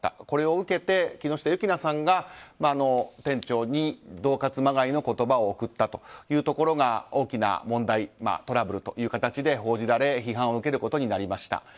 これを受けて、木下優樹菜さんが店長に恫喝まがいの言葉を送ったというところが大きな問題トラブルという形で報じられ批判を受けることになりました。